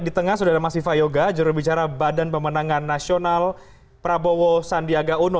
di tengah sudah ada mas viva yoga jurubicara badan pemenangan nasional prabowo sandiaga uno